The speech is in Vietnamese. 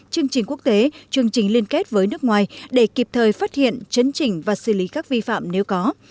chương trình quốc tế chương trình liên kết với nước ngoài để kịp thời phát hiện chấn chỉnh và xử lý các vi phạm nếu có